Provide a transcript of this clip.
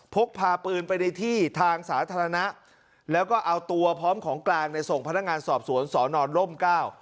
พกพาปืนไปในที่ทางสาธารณะแล้วก็เอาตัวพร้อมของกลางในส่งพนักงานสอบสวนสอนอนล่มเก้า